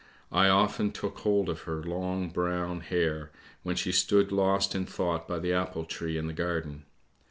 I often took hold of her long brown hair when she stood lost in thought by the apple tree in the garden.